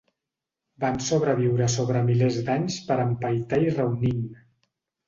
Van sobreviure sobre milers d'anys per empaitar i reunint.